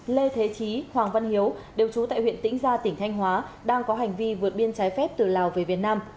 lê thế trí hoàng văn hiếu đều trú tại huyện tĩnh gia tỉnh thanh hóa đang có hành vi vượt biên trái phép từ lào về việt nam